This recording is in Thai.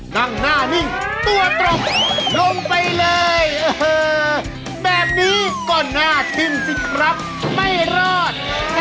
นั่งหน้านิ่งตัวตรงลงไปเลยแบบนี้ก็น่าขึ้นสิครับไม่รอด